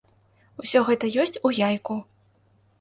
Усё гэта ёсць у яйку.